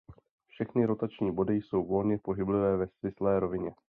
Všechny rotační body jsou volně pohyblivé ve svislé rovině.